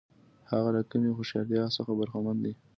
هغه له کمې هوښیارتیا څخه برخمن دی.